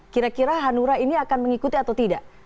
kira kira hanura ini akan mengikuti atau tidak